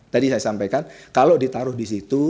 tadi saya sampaikan kalau ditaruh di situ